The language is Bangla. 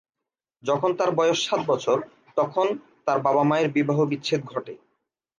যখন তার বয়স সাত বছর, তখন তার বাবা মায়ের বিবাহ বিচ্ছেদ ঘটে।